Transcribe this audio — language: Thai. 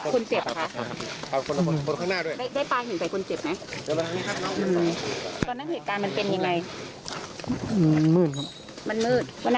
ใครปลาหินใส่คนเจ็บคะ